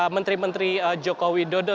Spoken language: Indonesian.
menteri menteri joko widodo